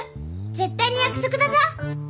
絶対に約束だぞ！